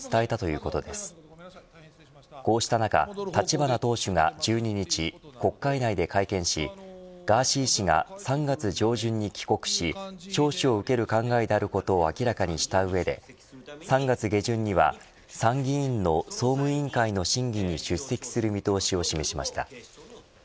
こうした中、立花党首が１２日国会内で会見しガーシー氏が３月上旬に帰国し聴取を受ける考えであることを明らかにした上で３月下旬には参議院の総務委員会の審議に出席する見通しを示しました。